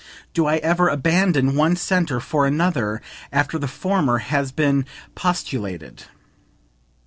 Do I ever abandon one centre for another after the former has been postulated?